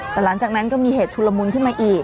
แต่หลังจากนั้นก็มีเหตุชุลมุนขึ้นมาอีก